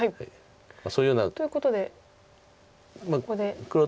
そういうような。ということでここでハネ出すのか。